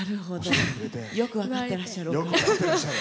よく分かっていらっしゃる。